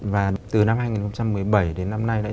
và từ năm hai nghìn một mươi bảy đến năm nay